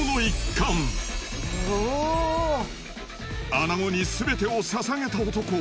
穴子に全てを捧げた男。